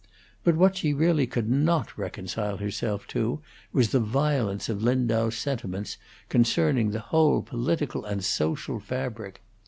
But what she really could not reconcile herself to was the violence of Lindau's sentiments concerning the whole political and social fabric.